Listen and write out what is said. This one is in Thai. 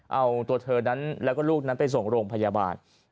เอาตัวเธอนั้นแล้วก็ลูกนั้นไปส่งโรงพยาบาล